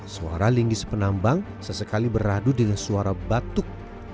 suara linggis penambang sesekali beradu dengan suara batuk